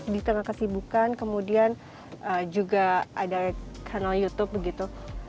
di tengah kesibukan kemudian juga ada kanal youtube begitu